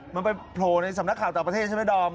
มันไปโผล่ในสำนักข่าวต่างประเทศใช่ไหมดอม